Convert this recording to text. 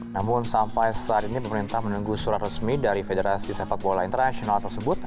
namun sampai saat ini pemerintah menunggu surat resmi dari federasi sepak bola internasional tersebut